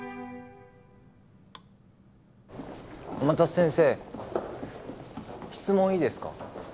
天達先生質問いいですか？